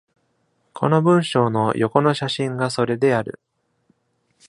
この文章の横の写真がそれである。